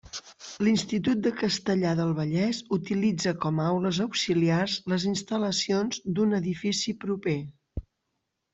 L'Institut de Castellar del Vallès utilitza com aules auxiliars les instal·lacions d'un edifici proper.